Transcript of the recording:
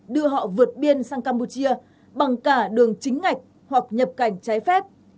đưa họ vượt biên sang campuchia bằng cả đường chính ngạch hoặc nhập cảnh trái phép